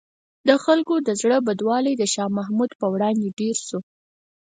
د خلکو زړه بدوالی د شاه محمود په وړاندې ډېر شو.